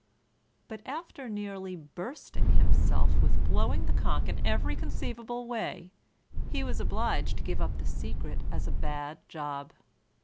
But, after nearly bursting himself with blowing the conch in every conceivable way, he was obliged to give up the secret as a bad job.